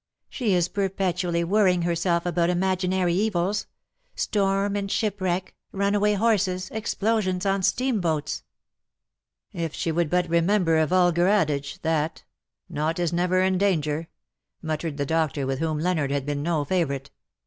She is perpetually worrying herself about imaginary evils — storm and shipwreck, runaway horses, ex plosions on steamboats.'^ 46 "grief a fixed star, " If she would but remember a vulgar adage, that 'Nought is never in danger/" muttered the doctor^ with whom Leonard had been no favourite.